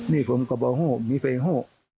นี่ผมก็บ่โห้มีเฟ้โห้